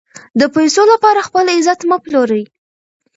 د پیسو لپاره خپل عزت مه پلورئ.